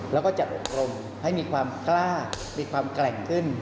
แล้วก็จัดอบรมให้มีความกล้ามีความแกร่งขึ้น